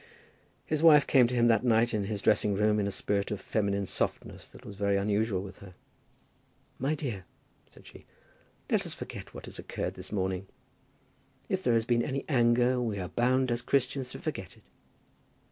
His wife came to him that night in his dressing room in a spirit of feminine softness that was very unusual with her. "My dear," said she, "let us forget what occurred this morning. If there has been any anger we are bound as Christians to forget it."